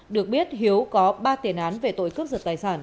được biết hiếu có ba tiền án về tội cướp giật tài sản